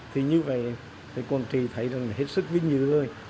thì như vậy quảng trị thấy rằng hết sức vinh dự rồi